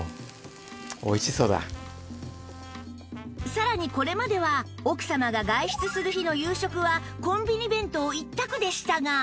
さらにこれまでは奥様が外出する日の夕食はコンビニ弁当一択でしたが